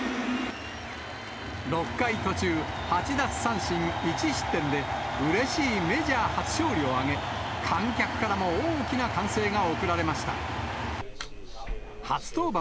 ６回途中、８奪三振、１失点でうれしいメジャー初勝利を挙げ、観客からも大きな歓声が送られました。